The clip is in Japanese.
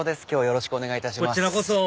今日よろしくお願いいたします。